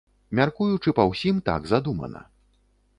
Мяркуючы па ўсім, так задумана.